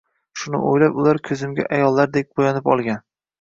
Shuni o‘ylab, ular ko‘zimga ayollardek bo‘yanib olgan.